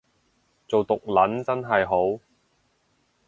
做毒撚真係好